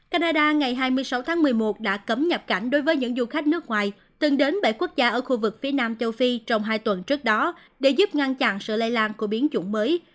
canada ngày hai mươi sáu tháng một mươi một đã cấm nhập cảnh đối với những du khách nước ngoài từng đến bảy quốc gia ở khu vực phía nam châu phi trong hai tuần trước đó để giúp ngăn chặn sự lây lan của biến chủng mới